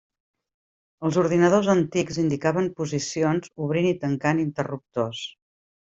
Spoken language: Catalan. Els ordinadors antics indicaven posicions obrint i tancant interruptors.